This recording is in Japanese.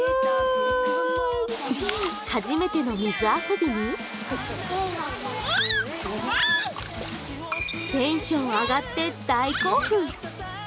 初めての水遊びにテンション上がって大興奮。